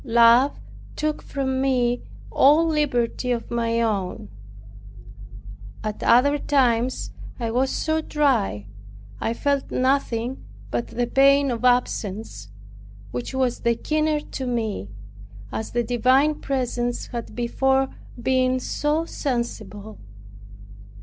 Love took from me all liberty of my own. At other times I was so dry, I felt nothing but the pain of absence, which was the keener to me, as the divine presence had before been so sensible.